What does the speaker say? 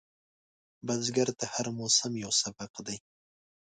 بزګر ته هر موسم یو سبق دی